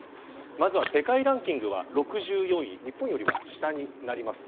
まずは世界ランキングは６４位日本よりは下です。